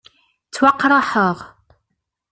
Ttwakeṛheɣ.